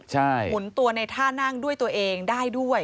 หมุนตัวในท่านั่งด้วยตัวเองได้ด้วย